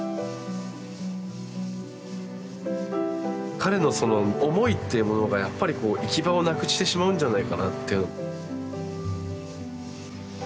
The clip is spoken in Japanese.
彼のその思いっていうものがやっぱり行き場をなくしてしまうんじゃないかなって。